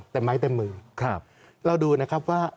เต็มไม้เต็มมือครับเราดูนะครับว่า